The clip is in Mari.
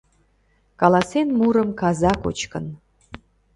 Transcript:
Каласен мурым каза кочкын